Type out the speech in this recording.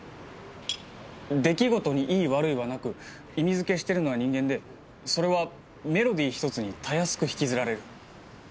出来事にいい悪いはなく意味付けしてるのは人間でそれはメロディー一つにたやすく引きずられる。